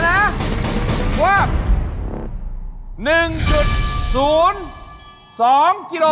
น้อยนี่กลงชีด